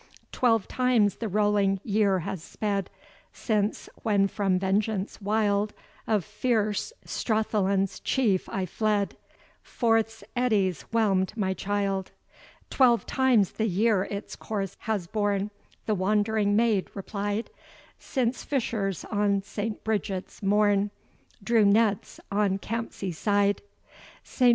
"Twelve times the rolling year has sped, Since, when from vengeance wild Of fierce Strathallan's Chief I fled, Forth's eddies whelm'd my child." "Twelve times the year its course has born," The wandering maid replied, "Since fishers on St. Bridget's morn Drew nets on Campsie side. "St.